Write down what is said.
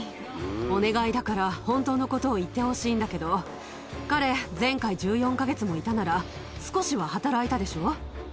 お願いだから、本当のことを言ってほしいんだけど、彼、前回１４か月もいたなら、少しは働いたでしょ。